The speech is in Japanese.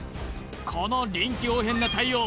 この臨機応変な対応